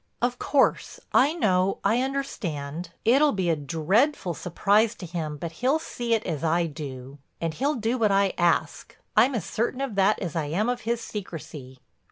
"Of course, I know, I understand. It'll be a dreadful surprise to him but he'll see it as I do. And he'll do what I ask—I'm as certain of that as I am of his secrecy."